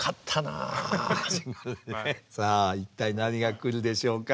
さあ一体何がくるでしょうか？